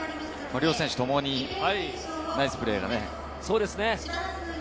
両選手ともにナイスプレそうですね。